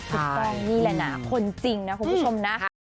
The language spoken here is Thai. ใช่นี่แหละนะคนจริงนะคุณผู้ชมนะ